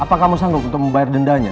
apa kamu sanggup untuk membayar dendanya